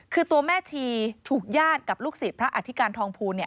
คือตัวแม่ชีถูกญาติกับลูกศิษย์พระอธิการทองภูล